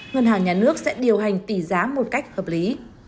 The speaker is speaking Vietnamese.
ngân hàng nhà nước sẽ điều hành tỷ giá một cách hợp lý